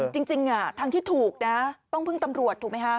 จริงทางที่ถูกนะต้องพึ่งตำรวจถูกไหมคะ